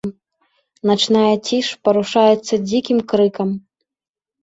Начная ціш парушаецца дзікім крыкам.